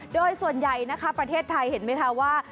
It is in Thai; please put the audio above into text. โดยส่วนใหญ่นะคะประเทศไทยเห็นไหมคะว่า